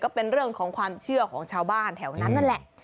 เป็นเรื่องของความเชื่อของชาวบ้านแถวนั้นนั่นแหละ